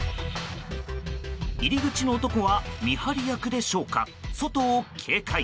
入り口の男は見張り役でしょうか外を警戒。